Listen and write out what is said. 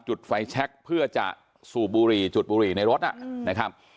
จุดไฟแชคเพื่อจะสูบบุหรี่จุดบุหรี่ในรถนะครับ